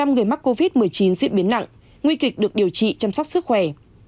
một mươi người mắc covid một mươi chín diễn biến nặng nguy kịch được điều trị chăm sóc sức khỏe